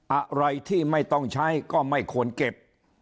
อะไรที่ไม่ต้องใช้ก็ไม่ควรเก็บ